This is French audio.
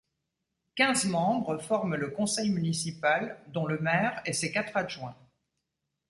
Quinze membres forment le conseil municipal dont le maire et ses quatre adjoints.